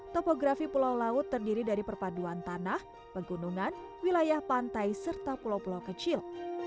topografi pulau laut terdiri dari perpaduan tanah pegunungan wilayah pantai serta pulau pulau kecil